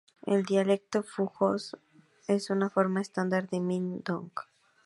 El dialecto fuzhou es una forma estándar del Min Dong.